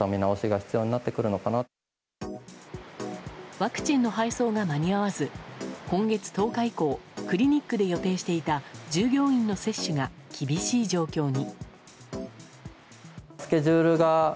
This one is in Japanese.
ワクチンの配送が間に合わず今月１０日以降、クリニックで予定していた、従業員の接種が厳しい状況に。